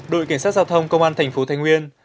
đội cảnh sát giao thông công an thành phố thái nguyên